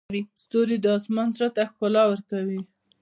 ستوري د اسمان زړه ته ښکلا ورکوي.